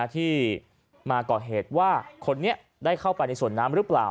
ที่มาก่อเหตุว่าคนนี้ได้เข้าไปในสวนน้ำหรือเปล่า